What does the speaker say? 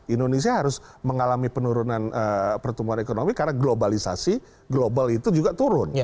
indonesia harus mengalami penurunan pertumbuhan ekonomi karena globalisasi global itu juga turun